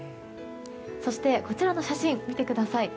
そしてこちらの写真を見てください。